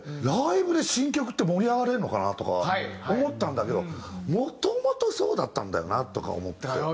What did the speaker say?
ライブで新曲って盛り上がれるのかなとか思ったんだけどもともとそうだったんだよなとか思って。